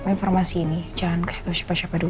informasi ini jangan kasih tau siapa siapa dulu